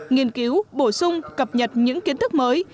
nghiên cứu bổ sung cập nhật những kiến thức mới